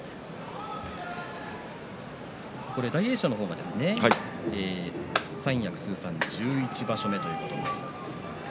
大栄翔の方も三役通算１１場所目ということになります。